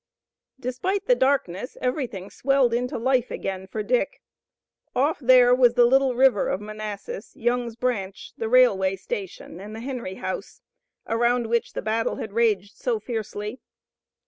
Despite the darkness everything swelled into life again for Dick. Off there was the little river of Manassas, Young's Branch, the railway station, and the Henry House, around which the battle had raged so fiercely.